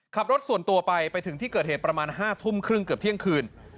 ขับรถส่วนตัวไปไปถึงที่เกิดเหตุประมาณ๕ทุ่มครึ่งเกือบเที่ยงคืน